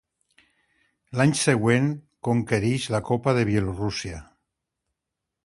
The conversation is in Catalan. L'any següent, conquerix la Copa de Bielorússia.